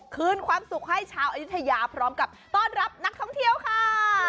คืนความสุขให้ชาวอยุธยาพร้อมกับต้อนรับนักท่องเที่ยวค่ะ